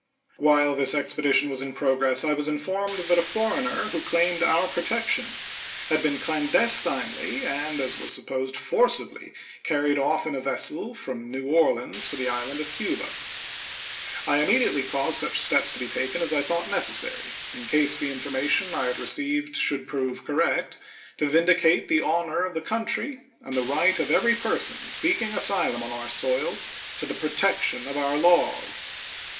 While this expedition was in progress I was informed that a foreigner who claimed our protection had been clandestinely and, as was supposed, forcibly carried off in a vessel from New Orleans to the island of Cuba. I immediately caused such steps to be taken as I thought necessary, in case the information I had received should prove correct, to vindicate the honor of the country and the right of every person seeking an asylum on our soil to the protection of our laws.